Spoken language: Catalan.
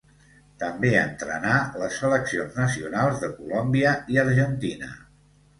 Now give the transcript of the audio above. També entrenà les seleccions nacionals de Colòmbia i Argentina.